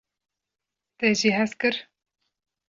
Te jê hez kir?